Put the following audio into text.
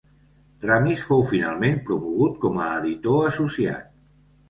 Ramis fou finalment promogut com a editor associat.